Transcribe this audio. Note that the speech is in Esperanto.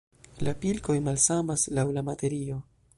La pilkoj malsamas laŭ la materio.